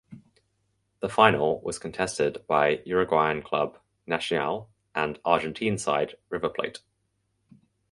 The final was contested by Uruguayan club Nacional and Argentine side River Plate.